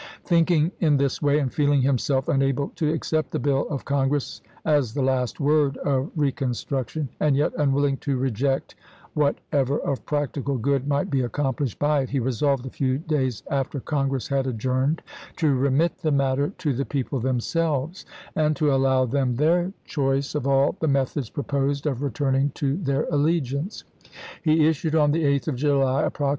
Thinking in this way, and feeling himself unable to accept the bill of Congress as the last word of reconstruction, and yet unwilling to reject whatever of practical good might be accomplished by it, he resolved, a few days after Congress had adjourned, to remit the matter to the people themselves, and to allow them their choice THE WADE DAVIS MANIFESTO 123 of all the methods proposed of returning to their chap. v. allegiance. He issued, on the 8th of July, a proc ism.